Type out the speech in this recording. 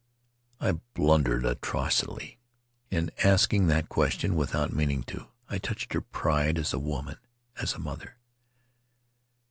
I blundered atrociously in asking that question. Without meaning to, I touched her pride as a woman, as a mother.